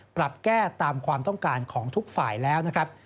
ปรับแก้ตามความต้องการของทุกฝ่ายแล้วนะครับ